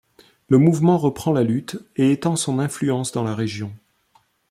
Le mouvement reprend la lutte et étend son influence dans la région.